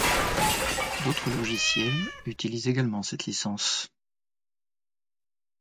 D'autres logiciels utilisent également cette licence.